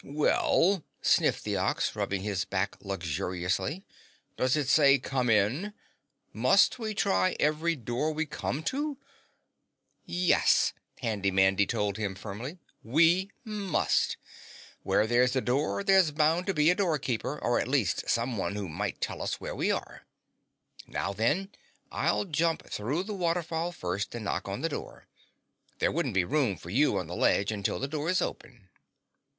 "Well," sniffed the Ox, rubbing his back luxuriously, "does it say 'come in'? Must we try every door we come to?" "Yes," Handy Mandy told him firmly, "we must! Where there's a door there's bound to be a door keeper or at least someone who might tell us where we are. Now then, I'll jump through the waterfall first and knock on the door. There wouldn't be room for you on the ledge until the door is open."